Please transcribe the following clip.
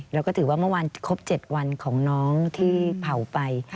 แล้วก็ถือว่าเมื่อวานครบ๗วันของน้องที่เผาไป